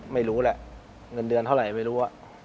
ไม่รู้แหละเงินเดือนเท่าไหร่ไม่รู้